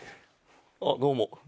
あっどうも。